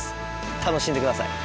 楽しんでください。